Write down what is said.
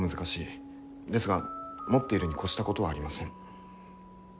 ですが持っているに越したことはありません。